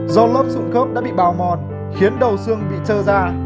do lớp xuống khớp đã bị bào mòn khiến đầu xương bị trơ ra